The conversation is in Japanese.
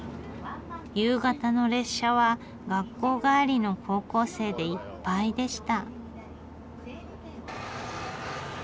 夕方の列車は学校帰りの高校生でいっぱいでした。